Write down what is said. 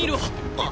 あ？